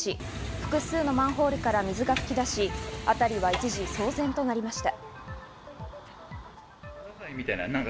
複数のマンホールから水が噴き出し、辺りは一時騒然となりました。